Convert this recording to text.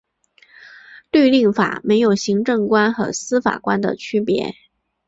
律令法没有行政官和司法官的区别。